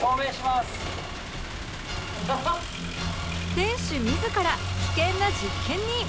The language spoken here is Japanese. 店主自ら危険な実験に！